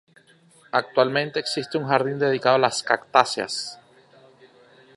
Actualmente existe un jardín dedicado a las cactáceas.